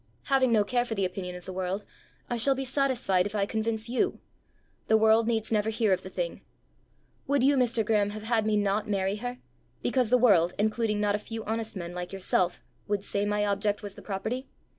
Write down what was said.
"Having no care for the opinion of the world, I shall be satisfied if I convince you. The world needs never hear of the thing. Would you, Mr. Graeme, have had me not marry her, because the world, including not a few honest men like yourself, would say my object was the property?"